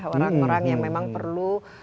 orang orang yang memang perlu